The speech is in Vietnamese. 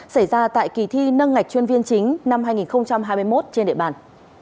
xảy ra tại kỳ thi nâng ngạch chuyên viên chính năm hai nghìn hai mươi một trên địa bàn